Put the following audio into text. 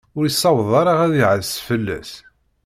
Ur yessaweḍ ara ad iɛas fell-as.